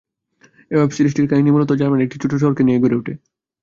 এই ওয়েব সিরিজটির কাহিনী মূলত জার্মানির একটি ছোট শহরকে ঘিরেই গড়ে উঠে।